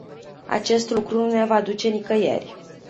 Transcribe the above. Acest lucru nu ne va duce nicăieri.